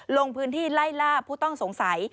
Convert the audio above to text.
ลงพื้นที่ไล่ล่าผู้ต้องสงสัย